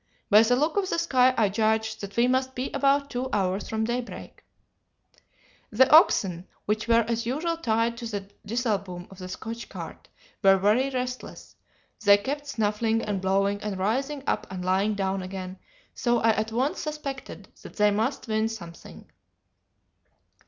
By the look of the sky I judged that we must be about two hours from day break. "The oxen, which were as usual tied to the disselboom of the Scotch cart, were very restless they kept snuffling and blowing, and rising up and lying down again, so I at once suspected that they must wind something.